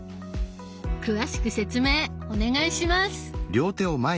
詳しく説明お願いします。